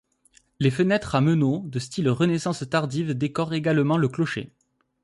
Les fenêtres à meneaux de style Renaissance tardive décorent également le clocher.